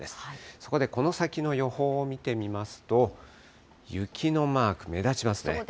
そこでこの先の予報を見てみますと、雪のマーク目立ちますね。